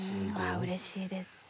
うれしいです。